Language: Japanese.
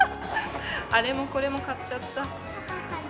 あれもこれも買っちゃった。